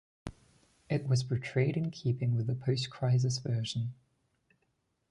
It was portrayed in keeping with the post-Crisis version.